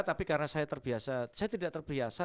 tapi karena saya terbiasa saya tidak terbiasa